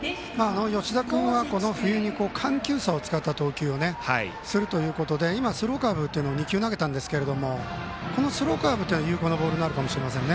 吉田君はこの冬に緩急差を使った投球をするということで今、スローカーブを２球投げたんですがこのスローカーブは有効なボールになるかもしれません。